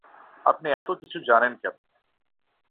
আপনি এত কিছু জানেন কেমনে?